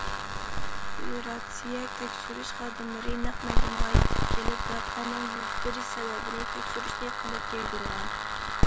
فېدېراتسىيە تەكشۈرۈش خادىملىرى نەق مەيدانغا يېتىپ كېلىپ، ۋەقەنىڭ يۈز بېرىش سەۋەبىنى تەكشۈرۈشنى قانات يايدۇرغان.